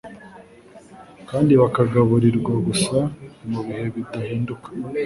kandi bakagaburirwa gusa mu bihe bidahinduka